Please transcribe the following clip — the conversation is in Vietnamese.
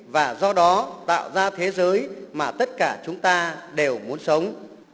và do đó tạo ra thế giới mà tất cả chúng ta đều muốn sống